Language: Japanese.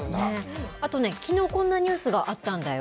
あとね、きのうこんなニュースがあったんだよ。